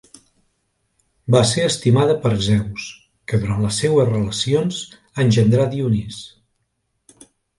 Va ser estimada per Zeus, que durant les seues relacions engendrà Dionís.